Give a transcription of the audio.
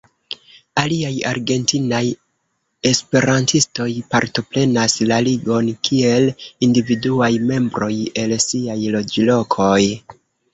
Aliaj argentinaj esperantistoj partoprenas la Ligon kiel individuaj membroj, el siaj loĝlokoj.